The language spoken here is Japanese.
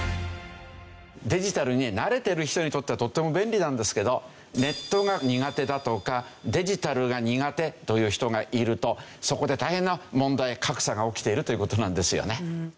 デジタルに慣れてる人にとってはとっても便利なんですけどネットが苦手だとかデジタルが苦手という人がいるとそこで大変な問題格差が起きているという事なんですよね。